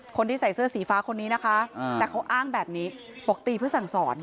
คนที่ใส่เสื้อสีฟ้าคนนี้นะคะแต่เขาอ้างแบบนี้บอกตีเพื่อสั่งสอน